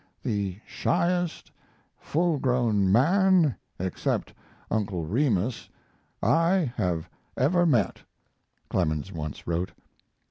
"The shyest full grown man, except Uncle Remus, I ever met," Clemens once wrote.